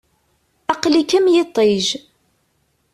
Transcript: Aqel-ik am yiṭij.